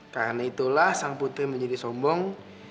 karena itulah sang putri menjadi sombong